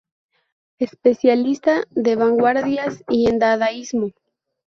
Especialista en vanguardias y en Dadaísmo.